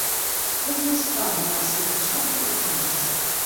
Кожная справа мае свой пачатак і канец.